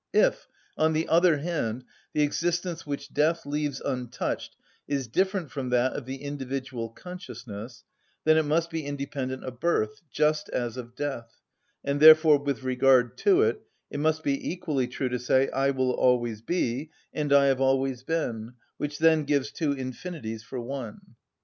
If, on the other hand, the existence which death leaves untouched is different from that of the individual consciousness, then it must be independent of birth, just as of death; and therefore, with regard to it, it must be equally true to say, "I will always be," and "I have always been;" which then gives two infinities for one.